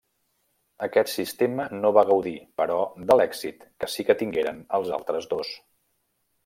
Aquest sistema no va gaudir, però, de l’èxit que sí que tingueren els altres dos.